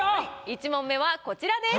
１問目はこちらです。